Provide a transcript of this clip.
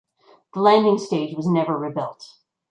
The landing stage was never rebuilt.